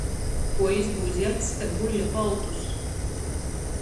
Kuo izbūzi acs kai buļļa pautus?